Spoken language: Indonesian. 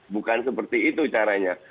bukan seperti itu caranya